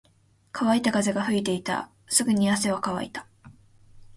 乾いた風が吹いていた。すぐに汗は乾いた。